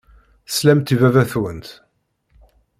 Teslamt i baba-twent.